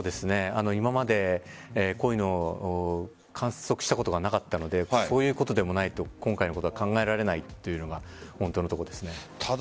今までこういうのを観測したことがなかったのでそういうことでもないと今回のことは考えられないというのが本当のところです。